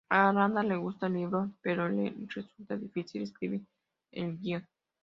A Aranda le gustaba el libro pero le resultaba difícil escribir el guion.